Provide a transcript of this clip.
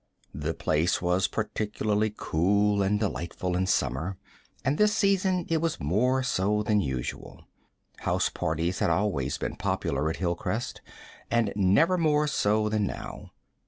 The place was particularly cool and delightful in summer, and this season it was more so than usual. House parties had always been popular at Hilcrest, and never more so than now.